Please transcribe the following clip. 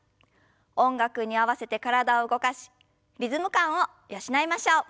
音楽に合わせて体を動かしリズム感を養いましょう。